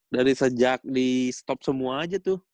dari sejak di stop semua aja tuh